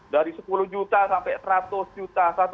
dari sepuluh juta sampai seratus juta